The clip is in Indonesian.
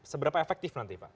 seberapa efektif nanti pak